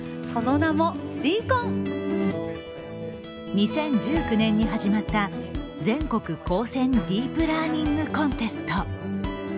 ２０１９年に始まった全国高専ディープラーニングコンテスト。